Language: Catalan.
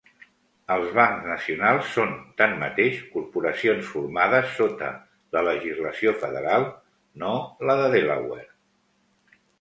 Els bancs nacionals són, tanmateix, corporacions formades sota la legislació federal, no la de Delaware.